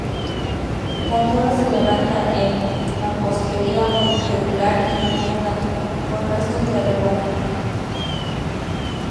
La torre se levanta en mampostería muy irregular y menuda, con restos de revoque.